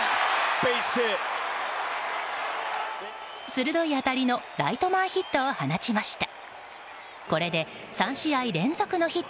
鋭い当たりのライト前ヒットを放ちました。